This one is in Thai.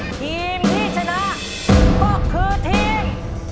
ทีมที่ชนะก็คือทีม